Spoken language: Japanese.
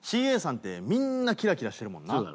ＣＡさんってみんなきらきらしてるもんな。